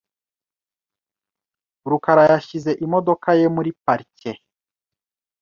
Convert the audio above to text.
rukara yashyize imodoka ye muri parike .